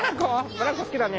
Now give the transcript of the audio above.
ブランコ好きだね。